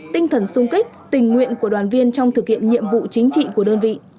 tinh thần sung kích tình nguyện của đoàn viên trong thực hiện nhiệm vụ chính trị của đơn vị